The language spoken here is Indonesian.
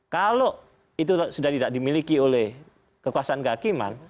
kalau itu sudah tidak dimiliki oleh kekuasaan kehakiman